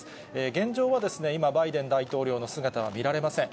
現状は今、バイデン大統領の姿は見られません。